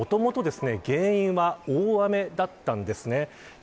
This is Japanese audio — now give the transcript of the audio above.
もともとですね、原因は大雨だったんですね。